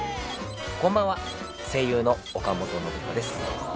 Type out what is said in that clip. こんばんは声優の岡本信彦です。